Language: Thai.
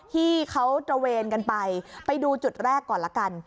ที่เขาตระเวนกันไปไปดูจุดแรกก่อนละกัน